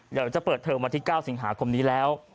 เดี๋ยวจะเปิดเทอมวันที่๙สิงหาคมนี้แล้ว